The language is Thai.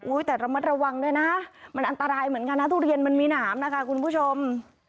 แต่ระมัดระวังด้วยนะมันอันตรายเหมือนกันนะทุเรียนมันมีหนามนะคะคุณผู้ชม